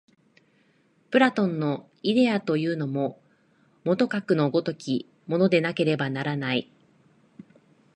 プラトンのイデヤというのも、もとかくの如きものでなければならない。